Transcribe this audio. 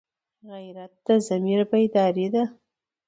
غیرت د ضمیر بیداري ده